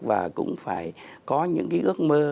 và cũng phải có những cái ước mơ